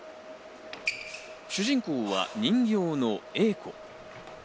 主人公は人形のＡ子。